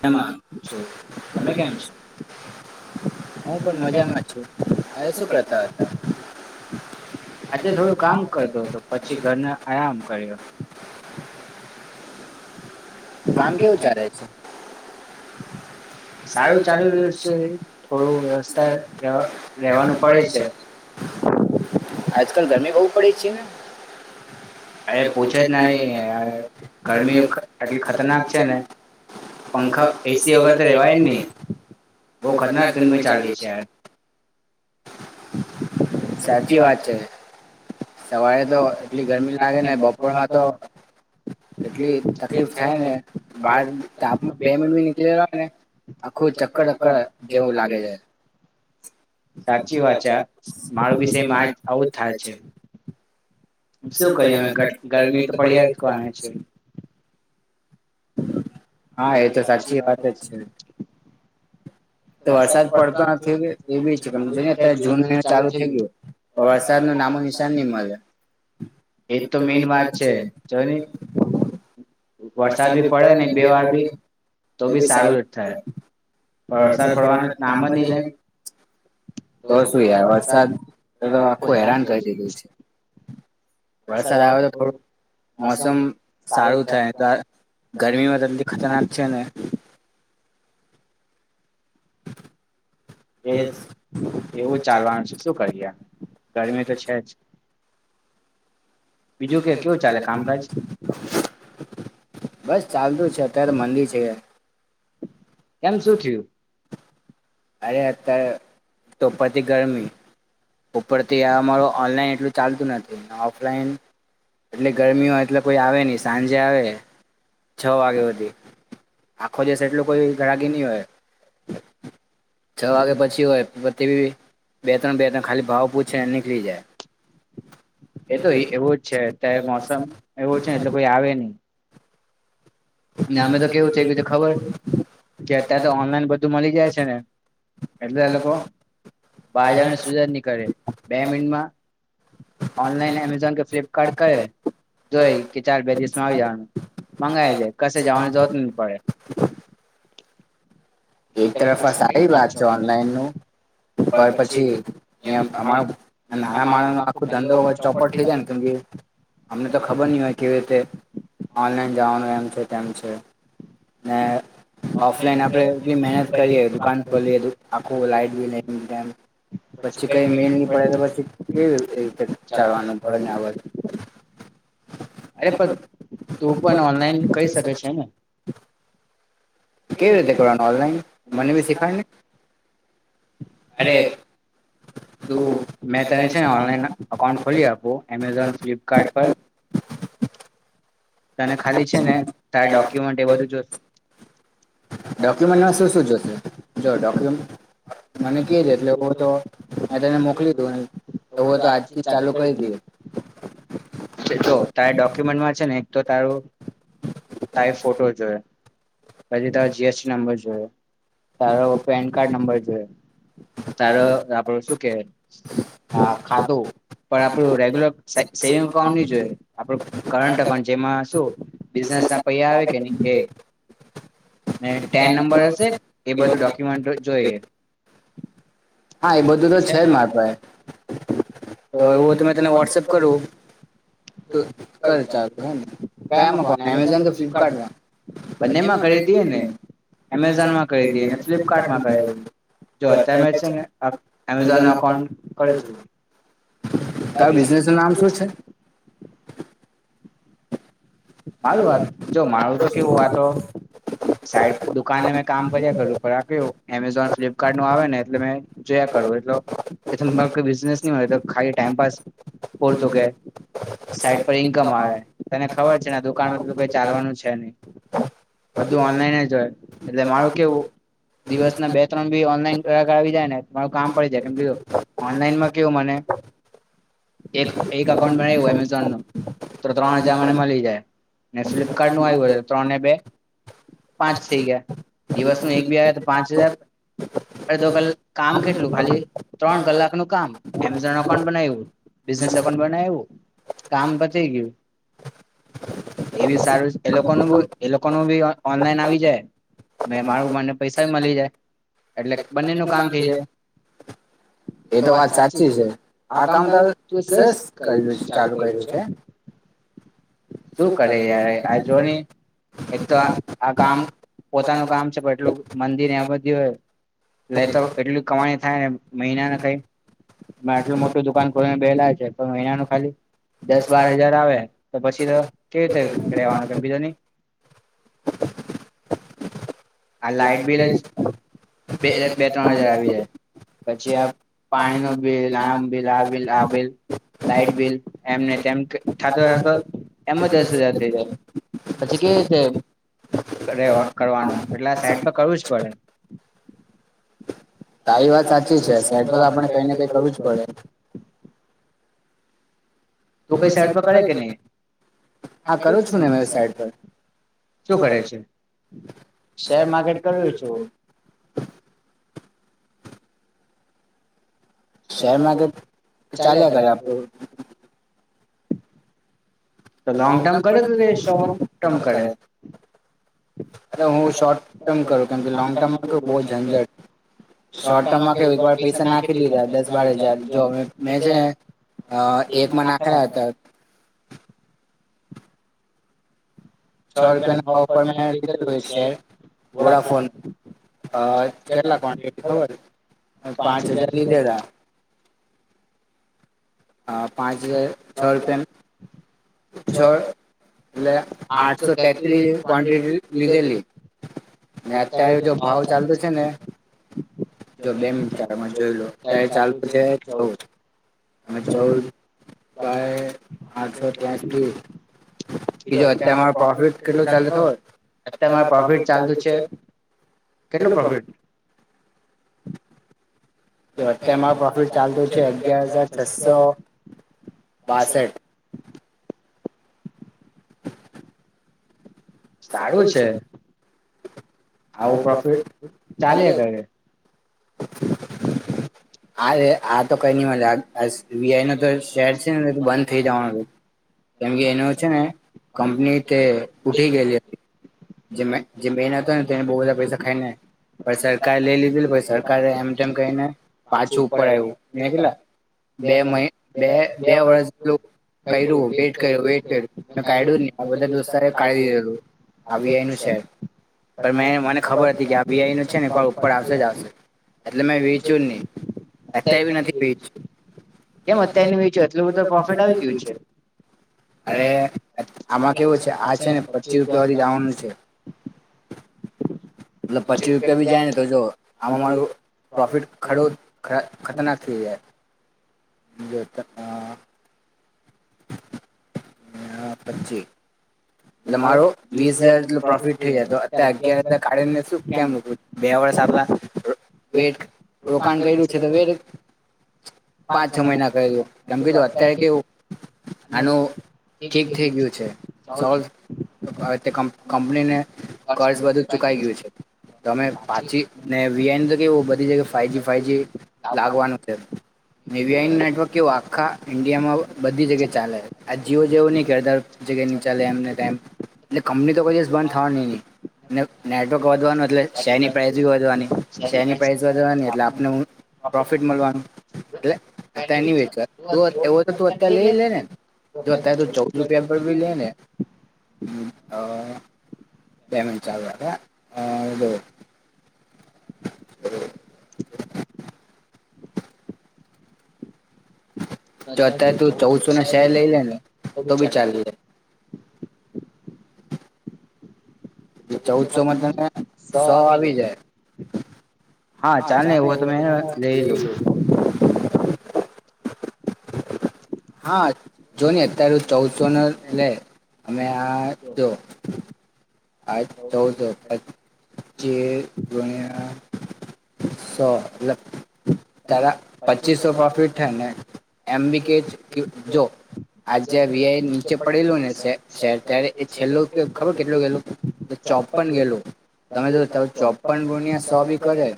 હું મજામાં છું તમે કેમ છો તમે શું કરતા હતા આજે હું થોડું કામ કરતો હતો પછી ઘરે આરામ કર્યો. કામ કેવું ચાલે છે? [unintelligible] સારું, ચાલુ રહયું છે થોડું વ્યવસ્થા રેવાનું પડે છે. અરે, પૂછે જ નહીં ગરમી એટલી ખતરનાક છે ને પંખા એસી વગર તો રેવાય જ ન નહીં બહુ ખતરનાક ગરમી ચાલતી છે. સાચી વાત છે. સવારે તો એટલી ગરમી લાગે ને બપોરમાં તો એટલી તકલીફ થાય ને બહાર તાપમા બે મિનીટ નીકળીયને આખું ચક્કર ટક્કર જેવું લાગે છે. સાચી વાત છે, મારુ બી સેમ આ આવું જ થાય છે. શું કરીએ હવે તો ગરમી તો પડીયા જ કરવાની છે. હા, એ તો સાચી વાત જ છે. તો વરસાદ પડતો નથી એ બી છે જોન અત્યારે જૂન મહિનો ચાલુ થઈ ગયો, તો વરસાદનો નામો નિશાન ની મલે એ તો મેન વાત છે જોની વરસાદ બી પડે ને એક બે વાર બી તો બી સારું થાય પણ વરસાદ પડવાનું નામ જ નહીં લેય. તો શું યાર, વરસાદ તો આખું હેરાન કરી દીધું છે. વરસાદ આવે તો થોડું મોસમ સારું થાય. ગ ગરમી તો એટલી ખતરનાક છે ને. એજ એવું જ ચાલવાનું છે શું કરીએ? ગરમી તો છે જ. બીજું કેટલું ચાલે કામકાજ બસ ચાલતું છે અત્યારે મંદી છે યાર. કેમ શું થયું? અરે અત્યારે તો ઉપરથી ગરમી ઉપરથી આ અમારું ઓનલાઈન એટલું ચાલતું નથી ઓફલાઈન એટલે ગરમી હોય એટલે કોઈ આવે નહીં સાંજે આવે છ વાગે હુધી. આખો દિવસ એટલું કોઈ ઘરાકી નહીં હોય. છ વાગે પછી હોય પણ તે બી બે ત્રણ બે ત્રણ ખાલી ભાવ પૂછ છેન નીકળી જાય. એ તો એવું જ છે અત્યારે મોસમ એવું છેને એટલે કોઈ આવે નહીં. અને અમે તો કેવું છે બી ખબર કે અત્યારે તો ઓનલાઈન બધું મળી જાય છે ને એટલે એ લોકો બજારની [unintelligible] ની કરે બે મિનટમાં ઓનલાઈન એમેઝોન કે ફ્લિપકાર્ટ કરે જોય કે ચાલ બે દિવસમાં આવી જવાનું મંગાઈ દેય. કશે જવાની જવત નથી, પડે [unintelligible] એક તરફ આ સારી વાત છે, ઓનલાઈન નું પણ પછી અ અમાર નાના માણ ન આખો ધંધો ચોપટ થઈ જાય ને કેમ અમને તો ખબર નહી હોય કેવી રીતે ઓનલાઈન જવાનું એમ છે, તેમ છે ને ઓફલાઈન આપડે મહેનત કરીએ દુકાન ખોલી આખું લાટ બિલ પછી કઈ મેલ નહી પડે તો પછી કે રી ચાલવાનું અરે પણ તું પણ ઓનલાઈન કહી શકે છે ને? કેવી રીતે કરવાનું ઓનલાઈન મને બી શીખાય ને અરે ત મેં તને છે ને ઓનલાઈન અઉન્ટ ખોલી આપો એમેઝોન ફ્લિપકાર્ટ પર તને ખાલી છે ને તારે ડોક્યુમેન્ટ એ બધું જો ોુ મટ મોકલી આ ચાલ કરી જો તારે ડોક્યુમેન્ટમાં છે ને તો તારું તારી ફોટો જોય પછી ત જીએસટી નંબર જોયો તારો પેન કાર્ડ નંબર જો તારો આપડ શું કે હા ખાધું પણ આપડું રેગ્યુલર સા સેવિંગ અઉન્ટ નહી જોઈએ, આપડે [unintelligible] પણ જેમાં શું બિઝનેસ પૈયા આવે કે નહી, એ ટેન નંબર હશે એ બધું ડો ક જોઈએ હા એ બધું તો છે જ મારપાઈ. તો હવું ત તને વોટ્સઅપ કરું. તો ક કયા નો ફોન છે, એમેઝોન કે ફ્લિપકાર્ટ બંનેમાં કરી દઈએ ને એમેઝોનમાં કરી દઈએ એને ફ્લિપકાર્ટમાં કરી દઈએ જો અત્યારે મેં છે, ને એમેઝોનના એકાઉન્ટ પર તો બિઝનેસ નું નામ શું છે? હારું વાત જો મારું તો કેવું આ તો સાઈડ દુકાન મા કામ કર્યા કરું પણ આ કેવું એમેઝોન ફ્લિપકાર્ટ નું આવે ને એટલે મે જોયા કર એ બિઝનેસ ન હોય તો ખાલી ટાઈમપાસ પૂરતું કે સાઈડ પર ઈન્કમ આવે અને કઈ ચાલવાનું છે નહી બધું ઓનલાઈન જ હોય એટલે મારું કેવું દિવસ ના બે ત્રણ બી ઓનલાઈન ગરાગ આવી જાયને મારું કામ પઇ જાય કેમ કે ઓનલાઈનમાં કેવું મને એક એક અકાઉન્ટ બનાવ્યું એમેઝોન નુ તો ત્રણ હજાર ને મળી જાય ને ફ્લિપકાર્ટ નું આવ્યું હોયે તો ત્રણ ને બે પાંચ થઈ ગયા દિવસ ન એક બી આવ તો પાંચ હ અડધો કલાક કામ કેટલું ખાલી ત્રણ કલાક નું કામ એમેઝોન અકાઉન્ટ બનાવ્યું બિઝનેસ અઉન્ટ બનાવ્યું કામ પતિ ગયું એ બી સારું એ લોકોનું બ એ લોકો ન બી ઓનલાઈન આવી જાય મારું મને પૈસા મળી જાય એટલે બંને નું કામ થઈ જાય. એ તો વાત સાચી છે આ કામ ત સરસ કર્યું ચાલુ કર્યું છે. શું કરે યાર આ જો નહી એક તો આ આ કામ પોતાનું કામ છે પણ એટલું મંદી ને એ બધી હોય લે તો એટલી કમાણી થાય ને મહિનાને કઈ એમાં આટલું મોટું દુકાન ખોલીને બેલા છે પણ મહિનાનું ખાલી દસ બાર હજાર આવે. તો પછી તો કેવી રીતે રેવાનું કેમ કે જોની [inaudible] આ લાઈટ બિલ જ બે બે ત્રણ હજાર આવી જાય પછી આ પાણી નો બિલ આમ બિલ બિલ આ બિલ લાાઈટ બિલ એમને તેમ થતો થતો એમાં દસ હજાર થઈ જાય પછી કેવી રીતે કરિયા કરવાનું એટલે આ સાઈડ પર કરવું જ પડે. તારી વાત સાચી છે સાઈડ મા આપણે કઈ ને કઈ કરવું જ પડે. તું કઈ સાઈડ પર કરે કે નહી હા કરું છું શું કરે છે શેરમાર્કેટ કરું છું. શેર માર્કેટ ચાલ્યા કરે આપ લોગ ટર્મ કરે કે શોર્ટ ટર્મ કરે એટલે હું શોર્ટ ટર્મ કરું કેમકે લોંગ ટર્મમાં બઉ ઝંઝટ શોર્ટ ટર્મમાં કેવું ક એકવાર પૈસા નાખી દીધા દસ બાર હજાર જો મેં છેને અ એકમાં નાખેલા હતા. છ રૂપિયા ન ઓફર મેં લીધેલું એક શેર વોડાફોન અ કેટલા ક્વન્ટિટી ખબર પાંચ હજાર લીધેલા હ પાંચ શર્ટ પેન છ એટલે આઠસો તેત્રી ક્વન્ટિટી લીધેલી. ને અત્યારે જો ભાવ ચાલતો છે ને.. જો બે મિ ચારમાં જોઈ લો અત્યારે ચાલતુ છે ચૌદ, ચૌદ બાય આઠસો ત્યાસી બીજુ અત્યારે મારો પ્રોફિટ કેટલું ચાલે ખબર, અત્યારે પ્રોફિટ ચાલ છે, અ કેટલું પ્રોફિટ જો અત્યારે મારો પ્રોફિટ ચાલતો છે અગિયાર હજાર છસો બાસઠ. સારું છે. હ. [inaudible] આવું પ્રોફિટ ચાલીયા કરે. હરે આ તો કઈ નહી મજા વી આઈનો તો શેર છે ને તો બંધ થઈ જવાનો હતો, કેમ કે એનો છે ને કંપની તે ઉઠી ગયેલી હતી, જે જે મહેનતય ને તેને બહુ બધા પૈસા ખાઈને પણ સરકારે લઈ લીધેલ પૈસા અત્યારે એમ તેમ કહીને, પાછું ઉપર આવ્યું મેલા બે મહિના બે બે વર્ષ કર્યું વેટ કર્યું વેટ કર્યું, મે કાયુંને આ બધા દોસ્તરે કાઢી દીધેું આ વી આઈ નું છે, પણ મે મને ખબર હતી કે આ વી આઈ નું છે ને એક વાર ઉપર આવશે જ આવશે. એટલે મેં વેચ્યું જ નહી, અત્યાર સુધી નથી વેચ કે મ અત્યારે ની વહેંચ્યું એટલું બધું પ્રોફિટ આવી ગયું છે, આ કે આ છે ને પચીસ રૂપિયા વાળી દવાનો છે. મતલબ પચી રૂપિયા બી જાય ને તો જો આમ હમારું પ્રોફિટ ખડો ખતરનાક થઈ જાય. જેતા પંચી. એ મારો વીસ હજાર જેટલા પ્રોફિટ થઈ જાય તો અત અગિયાર હજાર કાઢીને શું કેમ બે વર્ષ આટલા, વેટ રોકાણ કર્યું છે તો વેટ પાંચ છ મહિના કરેલ, કેમ કીધું અત્યારે કેવું આનું ઠીક થઈ ગયું છે, સોલ્ હવે કંપનીને કર્સ બધું ચુકાઈ ગયું છે, તો અમે પાછી ને વી આઈ ન તો કેવું બધી જગ્યા ફઇવ જી ફાઈવ જી લાગવાનું છે, ને વી આઈ નું નેટવર્ક કેવું આખા ઈન્ડિયામાં બધી જગ્યા ચાલે આ જીઓ જેવો નહી કે અર જગ્યા ની ચાલે એમ એટલે કંપની તો કોઈ દિવસ બંધ થવાની નહી, નેટવર્ક વધવાનું એટલે શેરની પ્રાઇસ બી વધવાની, શેરની પ્રાાઈસ વધવાની એટલે આપને હું પ્રોફિટ મળવાનું, એટલે અત્ય્યારે એની વહેંચવા એવો હોય તો તું અત્યારે લઈ લેને અત્યારે તું ચૌદ રૂપિયા પર બી લઈ ને [inaudible] પેમેન્ટ ચ હતું. હ [unintelligible] જો અત્યારે તું ચૌદસો ના શહેર લઈ લેને, તો બી ચાલી જ જાય. એ ચૌદસોમાં તને સો આવી જાય. હા ચાને એવું તોને લઈ લ [unintelligible] હા. જો ને અત્યારે ચૌદ જોનલે. અમે આ જો. આઠસોને પચીસ ગુણ્યા સો લખ. તારા પચીસો પ્રોફિટ છે ને એમબી કેચ જો આ જે વીઆઈ નીચે પડેલું ને શે શેર ત્યારે એ છેલ્લું કે ખબર કેટલું ગયેલું તો ચોપન ગયેલું તમે જો તાર ચોપન ગુણ્યા સો બી કરે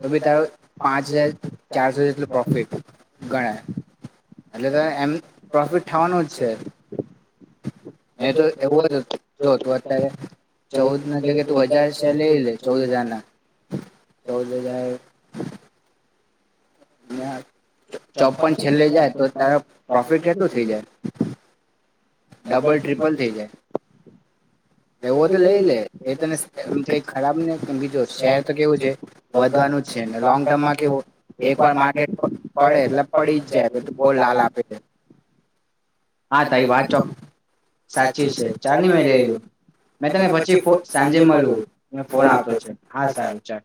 તો બી તારું પાંચ હજાર ચારસો જેટલો પ્રોફિટ ગણાય. એટલે તમે એમ પ્રોફિટ થવાનો જ છે. મે તો એવો જો તું અત્યારે ચૌદના જગ્યાએ તું હજાર છેદ લઈ લે ચૌદ હજારના ચૌદ હજાર ના. ચોપન છેલ્લે જાય તો તારે પ્રોફિટ કેટલો થઇ જાય. ડબલ ટ્રિપલ થઈ જાય. એવું હોય તો લઈ લે એ તને એ કઈ ખરાબ ન બીજું શેર તો કેવું છે વધવાનું જ છે લોંગ ટર્મમાં કેવું એક વાર માર્કેટ પડે એટલે પડી જ જાય તો બ લાલ આપે છે. આા તારી વાત હા ચોક. સાચી છે. ચારની મે લેલું. મેં તને પછી સાંજે મળું. ફોન આવતો છે હા સારું ચાર.